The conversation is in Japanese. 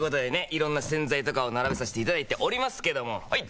色んな洗剤とかを並べさせていただいておりますけどもはい！